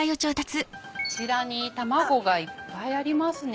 こちらに卵がいっぱいありますね。